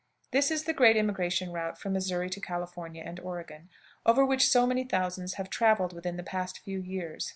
This is the great emigrant route from Missouri to California and Oregon, over which so many thousands have traveled within the past few years.